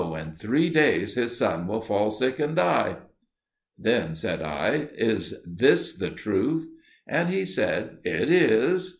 in three days his son will fall sick and die." Then said I, "Is this the truth?" And he said, "It is."